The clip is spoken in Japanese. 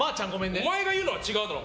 お前が言うのは違うだろ。